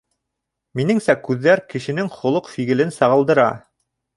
Минеңсә, күҙҙәр кешенең холоҡ-фиғелен сағылдыра.